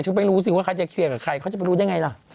ไปรู้สิว่าใครจะเคลียร์กับใครเขาจะไปรู้ได้ไงล่ะ